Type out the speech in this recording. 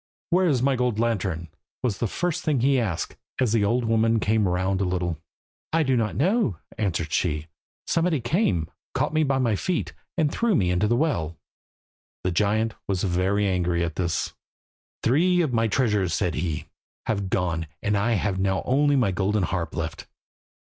"Where is my gold lantern?" was the first thing he asked, as the old woman came round a little. "I don't know," answered she. "Somebody came, caught me by the feet, and threw me into the well." The giant was very angry at this. "Three of my treasures," said he, "have gone, and I have now only my golden harp left.